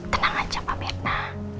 tenang aja pak mirna